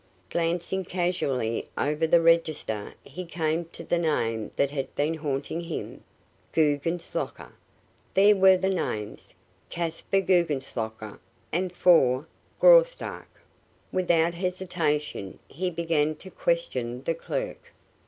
Glancing casually over the register he came to the name that had been haunting him Guggenslocker! There were the names, "Caspar Guggenslocker and four, Graustark." Without hesitation he began to question the clerk.